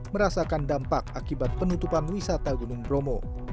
merasakan dampak akibat penutupan wisata gunung bromo